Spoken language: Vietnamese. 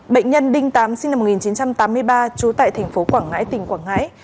bệnh nhân đinh tám sinh năm một nghìn chín trăm tám mươi ba trú tại thành phố quảng ngãi tỉnh quảng ngãi